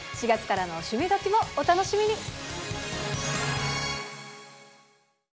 ４月からの「趣味どきっ！」もお楽しみに。